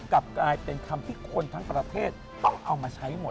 กลับกลายเป็นคำที่คนทั้งประเทศต้องเอามาใช้หมด